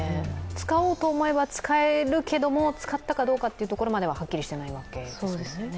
使おうと思えば使えるけども使ったかどうかというところまでははっきりしていないわけですね。